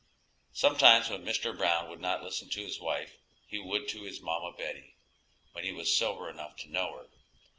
Sometimes when Mr. Brown would not listen to his wife, he would to his mamma Betty, when he was sober enough to know her.